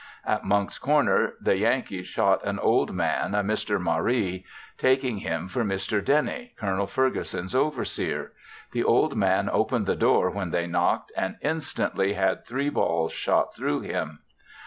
At Monck's Corner the Yankees shot an old man, a Mr. Maree, taking him for Mr. Denny, Col. Ferguson's overseer. The old man opened the door when they knocked and instantly had three balls shot through him.